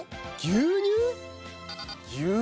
牛乳。